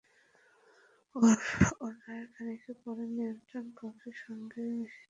তবে ওড়ার খানিক পরই নিয়ন্ত্রণকক্ষের সঙ্গে বিমানটির যোগাযোগ বিচ্ছিন্ন হয়ে যায়।